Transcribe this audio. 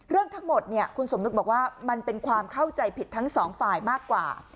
เรื่องทั้งหมดเนี่ยคุณสมนึกบอกว่ามันเป็นความเข้าใจผิดทั้งสองฝ่ายมากกว่า